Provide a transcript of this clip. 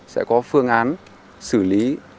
sẽ có phương án xử lý